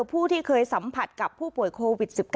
ผู้ที่เคยสัมผัสกับผู้ป่วยโควิด๑๙